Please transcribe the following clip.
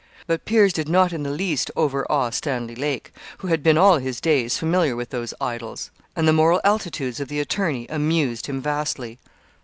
But peers did not in the least overawe Stanley Lake, who had been all his days familiar with those idols; and the moral altitudes of the attorney amused him vastly.